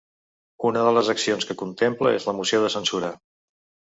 Una de les accions que contempla és la moció de censura.